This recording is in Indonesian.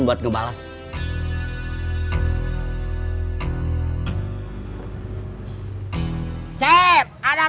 nggak ada kesempatan